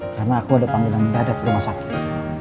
karena aku ada panggilan minta adat ke rumah sakit